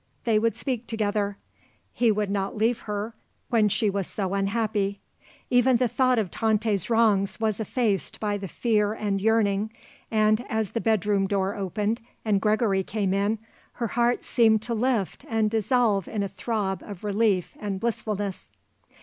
They would speak together. He would not leave her when she was so unhappy. Even the thought of Tante's wrongs was effaced by the fear and yearning, and, as the bedroom door opened and Gregory came in, her heart seemed to lift and dissolve in a throb of relief and blissfulness.